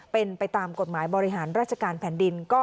เป็นไปตามกฎหมายบริหารราชการแผ่นดิน